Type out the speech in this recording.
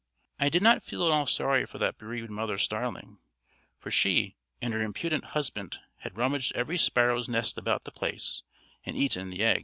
I did not feel at all sorry for that bereaved mother starling, for she and her impudent husband had rummaged every sparrow's nest about the place, and eaten the eggs.